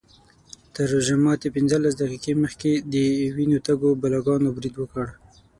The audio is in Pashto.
تر روژه ماتي پینځلس دقیقې مخکې د وینو تږو بلاګانو برید وکړ.